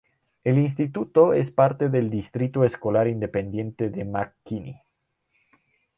El instituto es parte del Distrito Escolar Independiente de McKinney.